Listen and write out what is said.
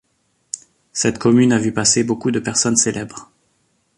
Cette commune a vu passer beaucoup de personnages célèbres.